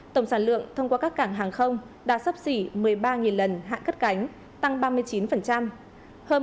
tổng sản lượng thông qua các cảng hàng không đã sắp xỉ một mươi ba lần hạ cất cánh tăng ba mươi chín